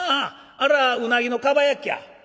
あれはうなぎのかば焼きや」。